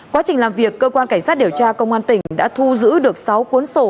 quá trình làm việc cơ quan cảnh sát điều tra công an tỉnh đã thu giữ được sáu cuốn sổ